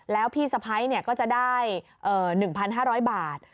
แล้วพี่สะพ้ายก็จะได้๑๕๐๐บาท